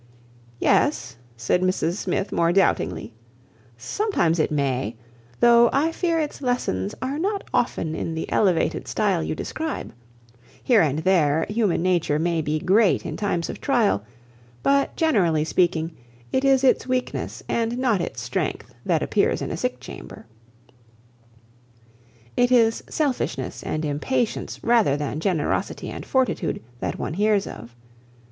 "Yes," said Mrs Smith more doubtingly, "sometimes it may, though I fear its lessons are not often in the elevated style you describe. Here and there, human nature may be great in times of trial; but generally speaking, it is its weakness and not its strength that appears in a sick chamber: it is selfishness and impatience rather than generosity and fortitude, that one hears of.